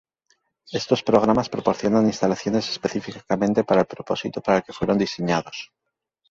Estos programas proporcionan instalaciones específicamente para el propósito para el que fueron diseñados.